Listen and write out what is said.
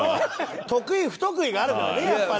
得意不得意があるからねやっぱり。